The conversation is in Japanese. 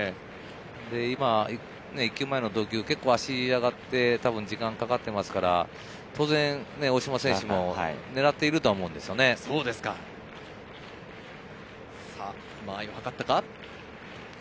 １球前の投球、足を嫌がって時間かかってますから、当然、大島選手も狙っていると思うんで間合いを図ったか？